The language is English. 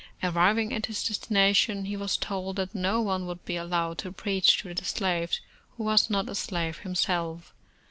Arriving at his destination, he was told that no one would be allowed to preach to the slaves, who was not a slave himself.